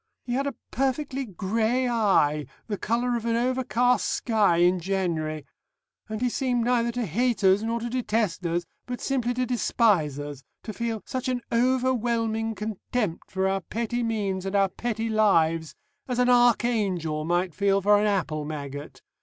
He had a perfectly grey eye the colour of an overcast sky in January and he seemed neither to hate us nor to detest us, but simply to despise us, to feel such an overwhelming contempt for our petty means and our petty lives, as an archangel might feel for an apple maggot.